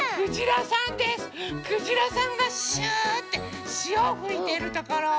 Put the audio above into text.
くじらさんがシューッてしおふいてるところ。